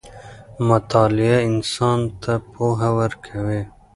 مطالعه انسان ته پوهه ورکوي.